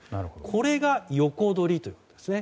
これが横取りというんですね。